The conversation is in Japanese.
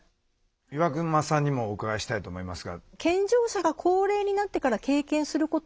岩隈さんにもお伺いしたいと思いますが。